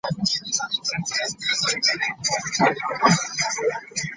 Abaana ba Ndiwalana bonna bakwatagana ekyetaagisa.